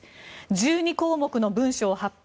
１２項目の文書を発表。